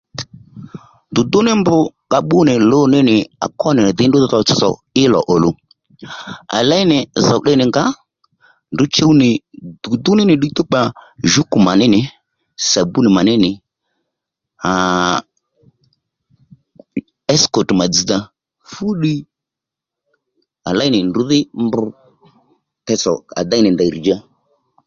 Dùdú ní mb ka bbú nì lon ní nì à kwó nì dhì ní ndrǔ tsotso í lò òluw. À léy nì zòw tde nì ngǎ ndrǔ chuw nì dùdú ní nì ddiy túkpa jǔkù mà ní nì, sàbúnì mà ní nì, àà e éskòt mà dzz̀dha fúddiy à léy nì ndrǔ dhí mb teytsò déy nì ndèy rr̀dja